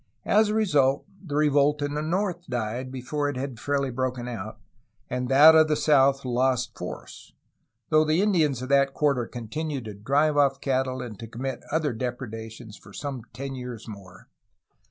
As a result the revolt in the north died before it had fairly broken out, and that of the south lost force, though the Indians of that quarter continued to drive off cattle and to commit other depredations for some ten years more.